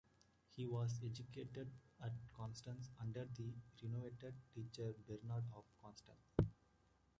He was educated at Constance under the renowned teacher Bernard of Constance.